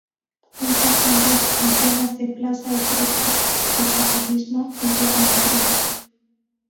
Cuenta con dos Antenas de Plata y tres Premios de Periodismo Villa de Madrid.